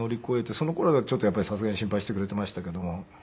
その頃はちょっとやっぱりさすがに心配してくれていましたけども。